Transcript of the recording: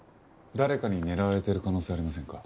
誰かに狙われている可能性はありませんか？